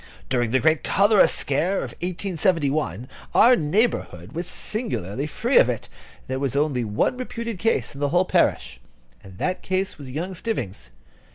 During the great cholera scare of 1871, our neighbourhood was singularly free from it. There was only one reputed case in the whole parish: that case was young Stivvings.